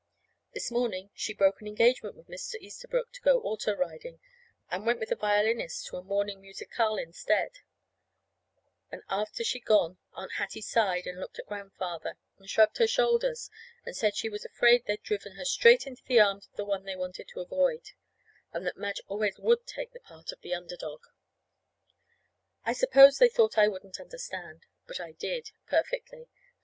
This morning she broke an engagement with Mr. Easterbrook to go auto riding and went with the violinist to a morning musicale instead; and after she'd gone Aunt Hattie sighed and looked at Grandfather and shrugged her shoulders, and said she was afraid they'd driven her straight into the arms of the one they wanted to avoid, and that Madge always would take the part of the under dog. I suppose they thought I wouldn't understand. But I did, perfectly.